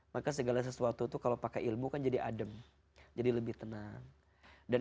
maka segala sesuatu itu kalau pakai ilmu kan jadi adem jadi lebih tenang dan